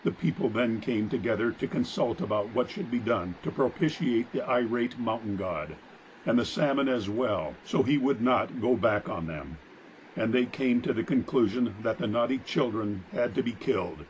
^'' The people then came together to consult about what should be done to propitiate the irate mountain god, and the salmon as well, so he would not ' go back ' on them, and they came to the conclusion that the naughty chil dren had to be killed.